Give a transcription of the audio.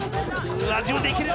自分で行ける。